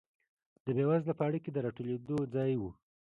د بېوزله پاړکي د راټولېدو ځای و.